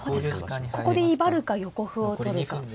ここで威張るか横歩を取るか。